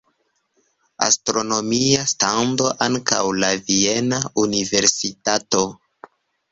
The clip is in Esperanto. Astronomia stando antaŭ la viena universitato.